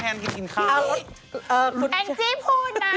แห่งจีบพูดนะ